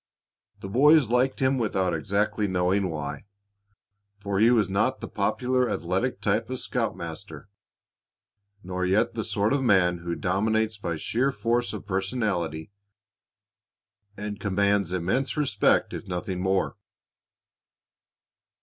The boys liked him without exactly knowing why, for he was not the popular athletic type of scoutmaster, nor yet the sort of man who dominates by sheer force of personality and commands immense respect if nothing more.